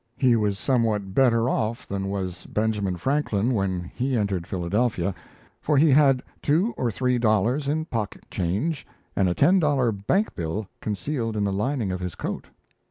He was somewhat better off than was Benjamin Franklin when he entered Philadelphia for he had two or three dollars in pocket change, and a ten dollar bank bill concealed in the lining of his coat.